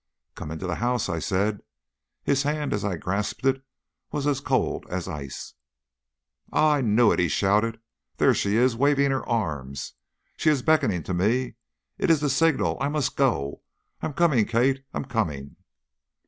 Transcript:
"Come into the house," I said. His hand, as I grasped it, was as cold as ice. "Ah, I knew it!" he shouted. "There she is, waving her arms. She is beckoning to me. It is the signal. I must go. I am coming, Kate; I am coming!"